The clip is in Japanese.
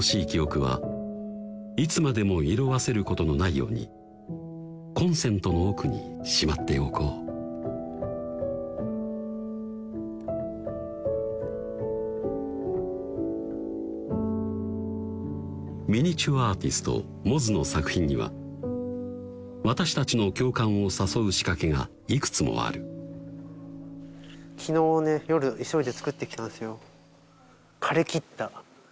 記憶はいつまでも色あせることのないようにコンセントの奥にしまっておこうミニチュアアーティストＭｏｚｕの作品には私たちの共感を誘う仕掛けがいくつもあるよしＯＫ